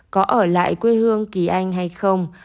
có ở lại quê hương kỳ anh hay không